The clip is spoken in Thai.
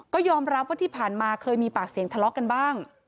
ก็ยอมรับว่าที่ผ่านมาเคยมีปากเสียงทะเลาะกันบ้าง